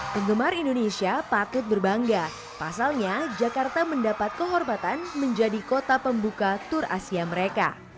penggemar indonesia patut berbangga pasalnya jakarta mendapat kehormatan menjadi kota pembuka tur asia mereka